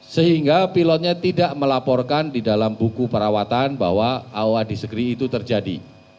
sehingga pilotnya tidak melaporkan di dalam buku perawatan bahwa aoa disagree itu terjadi